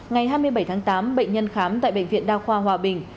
ngày hai mươi bảy tháng tám bệnh nhân khám tại bệnh viện đa khoa hòa bình